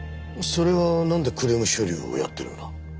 それがなんでクレーム処理をやってるんだ？